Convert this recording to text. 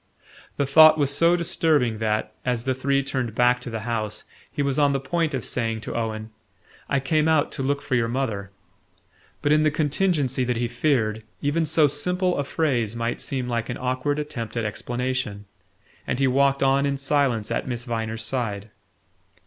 The thought was so disturbing that, as the three turned back to the house, he was on the point of saying to Owen: "I came out to look for your mother." But, in the contingency he feared, even so simple a phrase might seem like an awkward attempt at explanation; and he walked on in silence at Miss Viner's side.